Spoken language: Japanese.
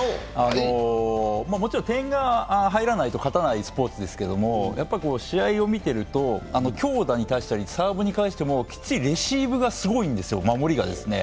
もちろん点が入らないと勝たないスポーツですけれども、試合を見てると、強打を返したり、サーブに対しても、きっちりレシーブがすごいんですよ、守りがですね。